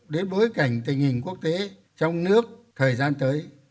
đến bối cảnh tình hình quốc tế trong nước thời gian tới